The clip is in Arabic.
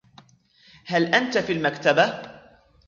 هل أنت في المكتبة؟